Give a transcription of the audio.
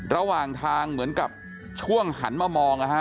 ระหว่างทางเหมือนกับช่วงหันมามองนะฮะ